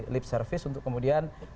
lip service untuk kemudian